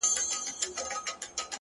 فقير نه يمه سوالگر دي اموخته کړم؛